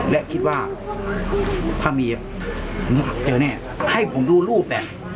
แล้วคิดว่าถ้ามีหัวเจอแน่ให้ผมดูรูปแหละ